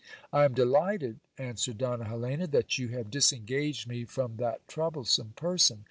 I am delighted, answered Donna Helena, that you have disengaged me from that troublesome person.